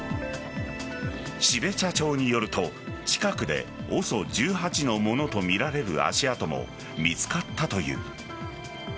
標茶町によると、近くでＯＳＯ１８のものとみられる足跡も見つかったという。